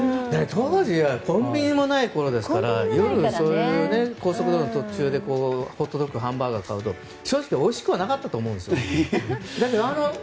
当時はコンビニもないころですから夜とかに高速道路の途中でホットドッグやハンバーガーを買うと正直おいしくなかったと思うんです。